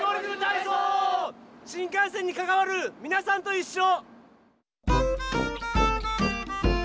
新幹線にかかわるみなさんといっしょ！